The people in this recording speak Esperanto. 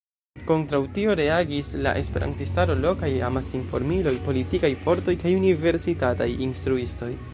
Kontraŭ tio reagis la esperantistaro, lokaj amasinformiloj, politikaj fortoj kaj universitataj instruistoj.